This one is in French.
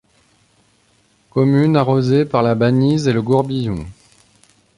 Commune arrosée par la Banize et le Gourbillon.